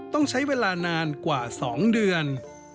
ต้องใช้เวลานานกว่า๒เดือน